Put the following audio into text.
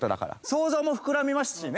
想像も膨らみますしね。